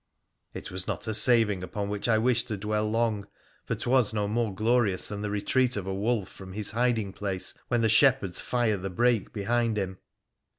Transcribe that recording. It was not a saving upon which I wish to dwell long, for 'twas no more glorious than the retreat of a wolf from his hiding place when the shepherds fire the brake behind him.